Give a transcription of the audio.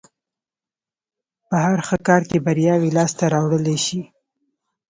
په هر ښه کار کې برياوې لاس ته راوړلای شي.